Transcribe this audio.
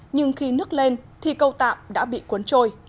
nhưng khi nước lên thì cầu tạm đã bị cuốn trôi